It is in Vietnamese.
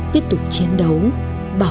tiếp tục chiến đấu bảo vệ